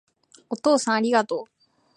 お父さんありがとう